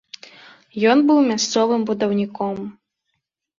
Ён быў мясцовым будаўніком.